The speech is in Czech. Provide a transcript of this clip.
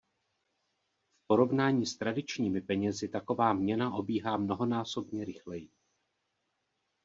V porovnání s tradičními penězi taková měna obíhá mnohonásobně rychleji.